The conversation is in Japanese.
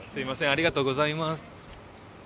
ありがとうございます。